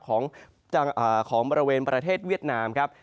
ของบริเวณประเทศเวียดนามครับ